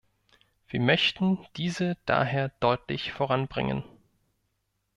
Wir möchten diese daher deutlich voranbringen.